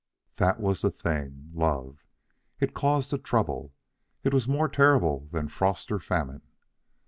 That was the thing love. It caused the trouble. It was more terrible than frost or famine.